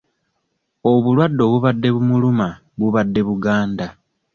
Obulwadde obubadde bumuluma bubadde buganda.